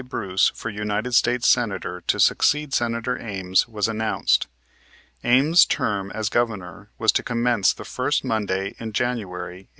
Bruce, for United States Senator to succeed Senator Ames, was announced. Ames' term as Governor was to commence the first Monday in January, 1874.